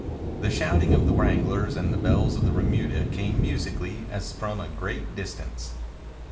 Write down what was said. The shouting of the wranglers and the bells of the remuda came musically as from a great distance.